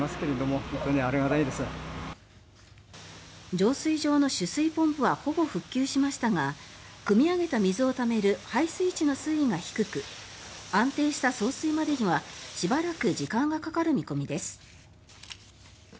浄水場の取水ポンプはほぼ復旧しましたがくみ上げた水をためる配水池の水位が低く安定した送水までにはしばらく時間がかかる見込みです。